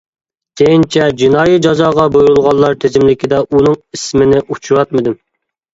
كېيىنچە جىنايى جازاغا بۇيرۇلغانلار تىزىملىكىدە ئۇنىڭ ئىسمىنى ئۇچراتمىدىم.